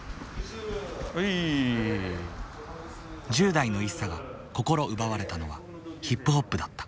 １０代のＩＳＳＡが心奪われたのはヒップホップだった。